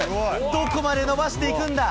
どこまで伸ばしていくんだ。